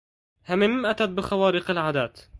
همم أتت بخوارق العادات